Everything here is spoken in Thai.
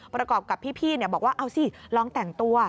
ประกอบกับพี่บอกว่าเอาสิลองแต่งตัว